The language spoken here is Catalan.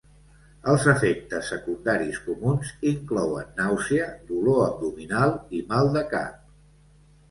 Els efectes secundaris comuns inclouen nàusea, dolor abdominal, i mal de cap.